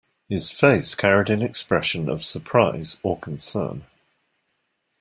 His face carried an expression of surprise or concern.